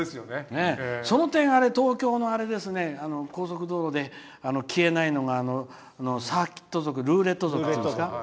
その点、東京の高速道路で消えないのがサーキット族、ルーレット族。